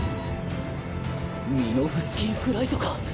ミノフスキー・フライトか。